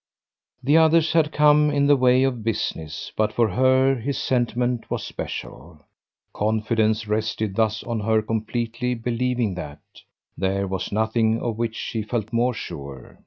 The others had come in the way of business, but for her his sentiment was special. Confidence rested thus on her completely believing that: there was nothing of which she felt more sure.